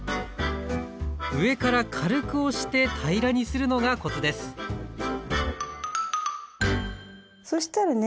上から軽く押して平らにするのがコツですそしたらね